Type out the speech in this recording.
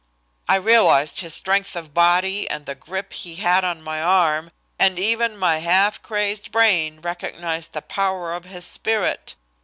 "I realized his strength of body and the grip he had on my arm and even my half crazed brain recognized the power of his spirit.